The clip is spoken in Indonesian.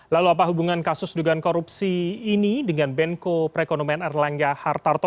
lalu apa hubungan kasus dugaan korupsi ini dengan menko perekonomian erlangga hartarto